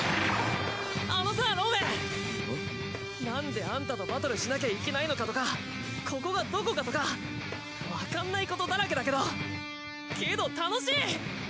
なんでアンタとバトルしなきゃいけないのかとかここがどこかとかわかんないことだらけだけどけど楽しい！